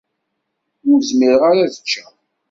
Ur zmireɣ ara ad ččeɣ.